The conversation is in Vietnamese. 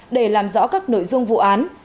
để làm rõ các nội dung vụ án